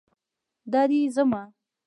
دا دی ځمه